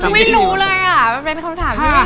คือไม่รู้เลยอ่ะมันเป็นคำถามที่ไม่รู้จริง